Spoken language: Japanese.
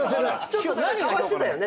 ちょっとかわしてたよね。